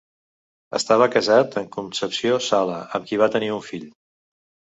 Estava casat amb Concepción Sala, amb qui va tenir un fill.